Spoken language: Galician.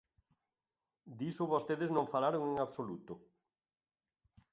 Diso vostedes non falaron en absoluto.